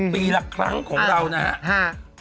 ปีละครั้งของเรานะครับ